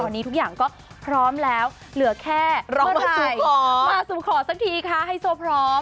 วันนี้ทุกอย่างก็พร้อมแล้วเหลือแค่รอสู่ขอมาสู่ขอสักทีคะไฮโซพร้อม